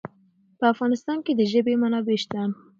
په افغانستان کې د ژبې منابع شته.